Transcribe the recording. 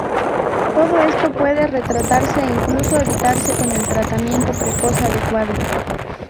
Todo esto puede retrasarse e incluso evitarse con el tratamiento precoz adecuado.